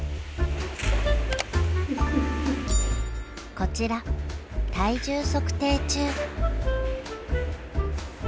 こちら体重測定中。